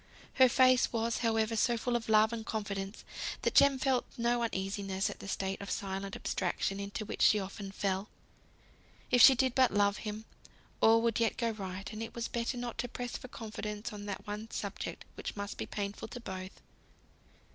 Her face was, however, so full of love and confidence, that Jem felt no uneasiness at the state of silent abstraction into which she often fell. If she did but love him, all would yet go right; and it was better not to press for confidence on that one subject which must be painful to both.